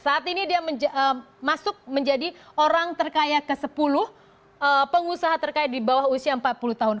saat ini dia masuk menjadi orang terkaya ke sepuluh pengusaha terkaya di bawah usia empat puluh tahun